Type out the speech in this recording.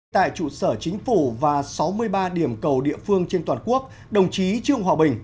tại trụ sở chính phủ và sáu mươi ba điểm cầu địa phương trên toàn quốc đồng chí trương hòa bình